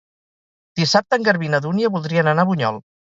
Dissabte en Garbí i na Dúnia voldrien anar a Bunyol.